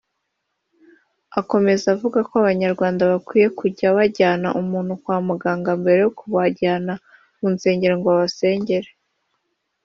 Akomeza avuga ko Abanyarwanda bakwiye kujya bajyana umuntu kwa muganga mbere yo kubajyana mu nsengero ngo babasengere